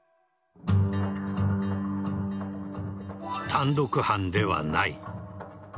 単独犯ではない。